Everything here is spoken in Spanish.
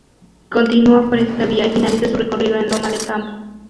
Continúa por esta vía y finaliza su recorrido en Loma del Campo.